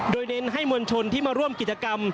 โดยเน้นให้มวลชนที่มาร่วมกิจกรรม